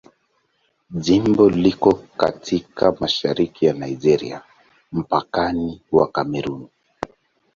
Jimbo liko katika mashariki ya Nigeria, mpakani wa Kamerun.